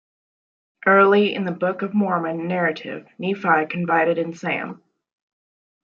Early in the Book of Mormon narrative, Nephi confided in Sam.